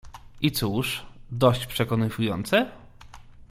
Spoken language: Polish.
"I cóż, dość przekonywujące?"